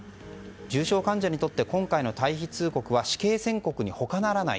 重傷患者にとって今回の退避通告は死刑宣告に他ならない。